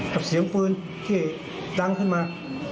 เสียงปืนที่ดังขึ้นมา